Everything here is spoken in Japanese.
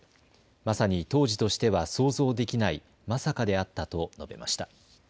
まさに当時としては想像できないまさかであったと述べました。